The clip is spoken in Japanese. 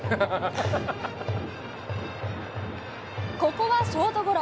ここはショートゴロ。